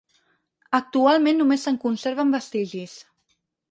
Actualment només se'n conserven vestigis.